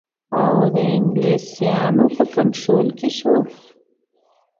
اَوَد د انګلیسیانو په کنټرول کې شو.